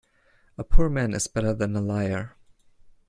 A poor man is better than a liar.